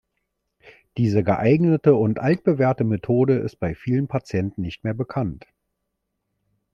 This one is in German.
Diese geeignete und altbewährte Methode ist bei vielen Patienten nicht mehr bekannt.